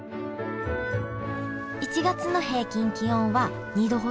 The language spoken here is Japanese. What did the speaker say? １月の平均気温は２℃ほど。